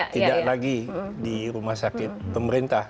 tidak lagi di rumah sakit pemerintah